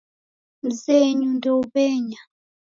Mzenyu ndeiw'enya.